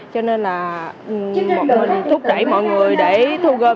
cho nên là thuốc đẩy mọi người để thu gom